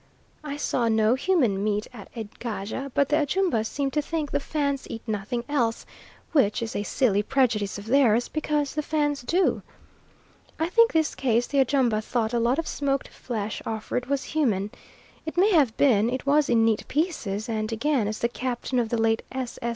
I saw no human meat at Egaja, but the Ajumba seem to think the Fans eat nothing else, which is a silly prejudice of theirs, because the Fans do. I think in this case the Ajumba thought a lot of smoked flesh offered was human. It may have been; it was in neat pieces; and again, as the Captain of the late s.s.